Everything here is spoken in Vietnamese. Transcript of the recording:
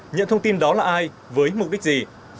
nhận thông tin đó là ai với mục đích gì